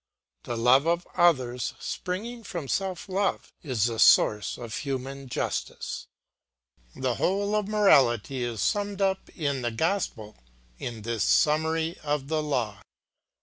The love of others springing from self love, is the source of human justice. The whole of morality is summed up in the gospel in this summary of the law.